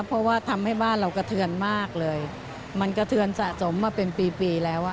เพราะว่าทำให้บ้านเรากระเทือนมากเลยมันกระเทือนสะสมมาเป็นปีปีแล้วอ่ะ